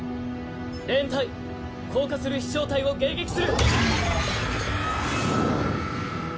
レーン隊降下する飛翔体を迎撃する。